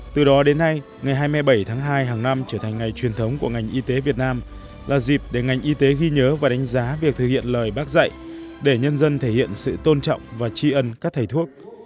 từ đó đến nay ngày hai mươi bảy tháng hai hàng năm trở thành ngày truyền thống của ngành y tế việt nam là dịp để ngành y tế ghi nhớ và đánh giá việc thực hiện lời bác dạy để nhân dân thể hiện sự tôn trọng và tri ân các thầy thuốc